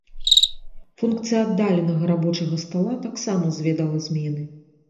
Функцыя аддаленага рабочага стала таксама зведала змены.